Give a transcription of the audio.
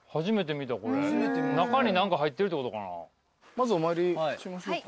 まずお参りしましょうか。